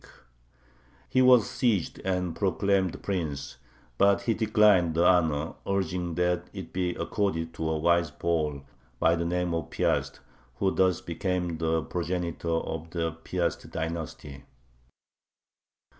He was seized and proclaimed prince, but he declined the honor, urging that it be accorded to a wise Pole by the name of Piast, who thus became the progenitor of the Piast dynasty.